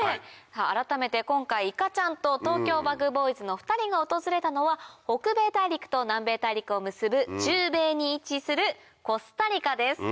改めて今回いかちゃんとＴｏｋｙｏＢｕｇＢｏｙｓの２人が訪れたのは北米大陸と南米大陸を結ぶ中米に位置するコスタリカです。